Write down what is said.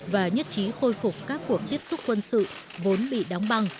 và nhất trí khôi phục các cuộc tiếp xúc quân sự vốn bị đóng băng